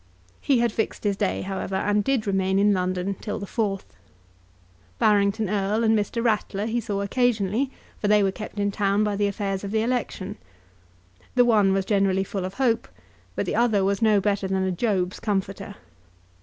He had fixed his day, however, and did remain in London till the 4th. Barrington Erle and Mr. Ratler he saw occasionally, for they were kept in town on the affairs of the election. The one was generally full of hope; but the other was no better than a Job's comforter.